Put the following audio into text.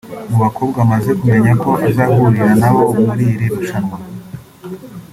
Mu bakobwa amaze kumenya ko azahurira na bo muri iri rushanwa